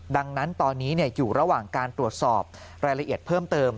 ดังนั้นตอนนี้อยู่ระหว่างการตรวจสอบรายละเอียดเพิ่มเติม